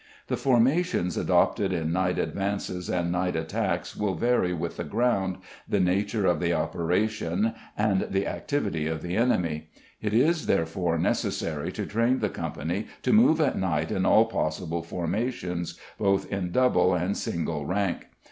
_ The formations adopted in night advances and night attacks will vary with the ground, the nature of the operation, and the activity of the enemy; it is, therefore, necessary to train the company to move at night in all possible formations, both in double and single rank.